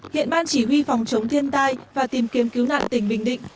hiện ban chỉ huy phòng chống thiên tai và tìm kiếm cứu nạn tỉnh bình định